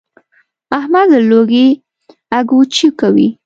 احمد له لوږې اګوچې کوي.